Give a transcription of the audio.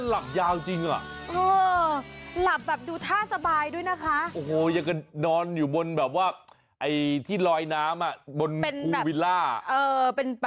หลับขนาดนี้หลับไม่ตื่นฟื้นไม่มีหรือเป่าพี่คะ